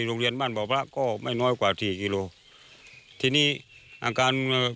โรงเรียนบ้านบ่อพระก็ไม่น้อยกว่าสี่กิโลทีนี้อาการเอ่อ